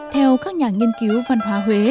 theo các nhà nghiên cứu văn hóa